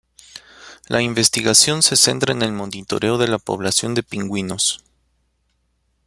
La investigación se centra en el monitoreo de la población de pingüinos.